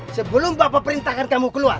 sebelum bapak perintahkan kamu keluar